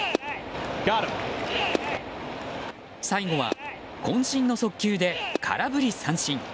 最後は渾身の速球で空振り三振。